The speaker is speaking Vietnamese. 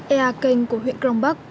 ea kênh của huyện cron park